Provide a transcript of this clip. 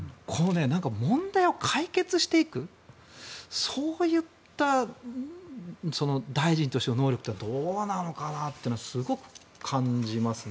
問題を解決していく、そういった大臣としての能力っていうのはどうなのかなっていうのはすごく感じますね。